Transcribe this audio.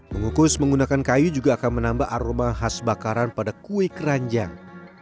mengukus menggunakan kayu juga akan menambah aroma khas bakaran pada kue keranjang